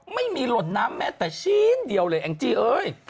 ไม่มีหล่นน้ำแม้แต่ชิ้นเดียวเลยแองจี้เอ้ย